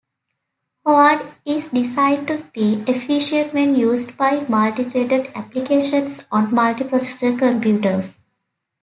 Hoard is designed to be efficient when used by multithreaded applications on multiprocessor computers.